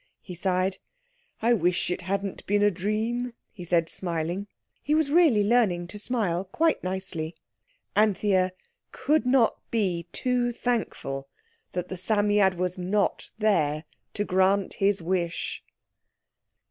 He sighed. "I wish it hadn't been a dream," he said smiling. He was really learning to smile quite nicely. Anthea could not be too thankful that the Psammead was not there to grant his wish.